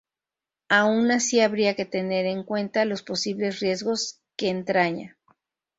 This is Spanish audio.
Aun así habría que tener en cuenta los posibles riesgos que entraña.